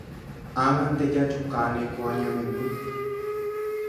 Ág̃ante jajukáne ko añamemby.